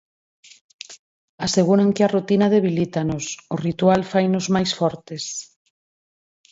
Aseguran que a rutina debilítanos, o ritual fainos mais fortes.